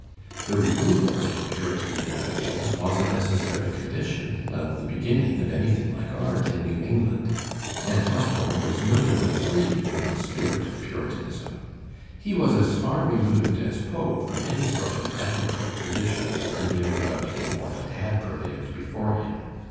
The removal of Puritan inhibitions was a necessary condition of the beginning of anything like art in New England, and Hawthorne was notably free from the spirit of Puritanism. He was as far removed as Poe from any sort of ethical tradition that prevailed about him or that had prevailed before him.